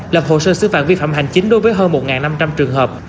lập hồ sơ xử phạm vi phạm hành chính đối với hơn một năm trăm linh trường hợp